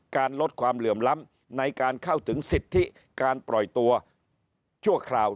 ลดความเหลื่อมล้ำในการเข้าถึงสิทธิการปล่อยตัวชั่วคราว